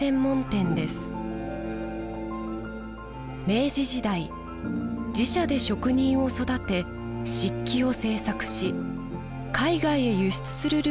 明治時代自社で職人を育て漆器を制作し海外へ輸出するルートを確立。